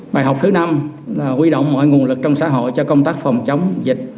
bài học thứ năm là huy động mọi nguồn lực trong xã hội cho công tác phòng chống dịch